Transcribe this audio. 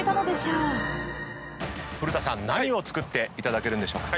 古田さん何を作っていただけるんでしょうか？